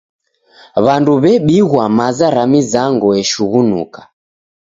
W'andu w'ebighwa maza ra mizango eshughunuka.